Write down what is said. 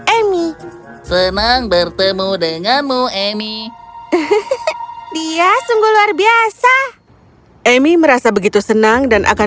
emi senang bertemu denganmu emi dia sungguh luar biasa emi merasa begitu senang dan akan